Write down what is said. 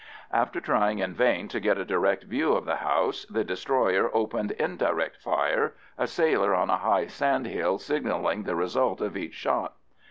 After trying in vain to get a direct view of the house, the destroyer opened indirect fire, a sailor on a high sand hill signalling the result of each shot.